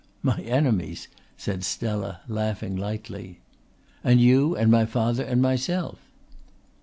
"My enemies," said Stella, laughing lightly. "And you and my father and myself."